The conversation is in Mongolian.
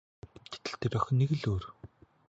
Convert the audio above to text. Гэтэл тэр охин нэг л өөр.